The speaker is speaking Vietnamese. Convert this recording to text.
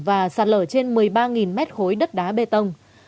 và sạt lở trên một mươi ba mét khối đất đá bê tông